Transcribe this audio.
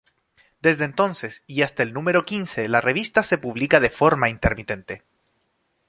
Desde entonces y hasta el número quince la revista se publica de forma intermitente.